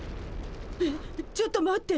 えっちょっと待って。